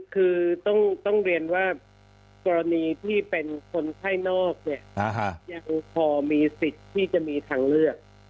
คือต้องเรียนว่ากรณีที่เป็นคนไข้นอกเนี่ยยังพอมีสิทธิ์ที่จะมีทางเลือก